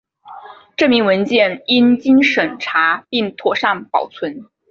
证明文件应经审查并妥善保存